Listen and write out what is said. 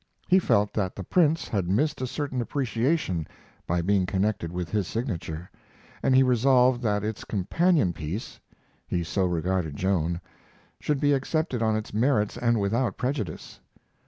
He felt that the Prince had missed a certain appreciation by being connected with his signature, and he resolved that its companion piece (he so regarded Joan) should be accepted on its merits and without prejudice.